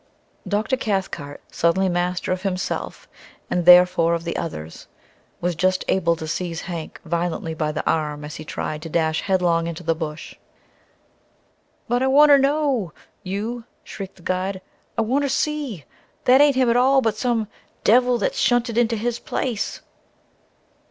Dr. Cathcart suddenly master of himself, and therefore of the others was just able to seize Hank violently by the arm as he tried to dash headlong into the Bush. "But I want ter know, you!" shrieked the guide. "I want ter see! That ain't him at all, but some devil that's shunted into his place